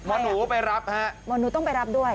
หมอหนูไปรับฮะหมอหนูต้องไปรับด้วย